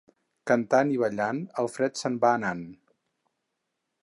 Cantant i ballant el fred se'n va anant.